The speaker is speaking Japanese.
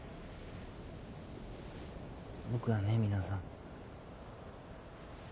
僕はねミナさん。